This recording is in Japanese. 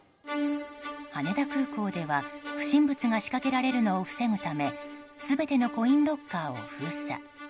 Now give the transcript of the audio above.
羽田空港では不審物が仕掛けられるのを防ぐため全てのコインロッカーを封鎖。